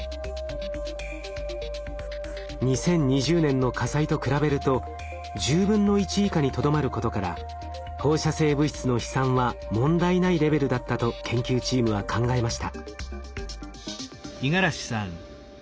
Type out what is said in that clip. ２０２０年の火災と比べると１０分の１以下にとどまることから放射性物質の飛散は問題ないレベルだったと研究チームは考えました。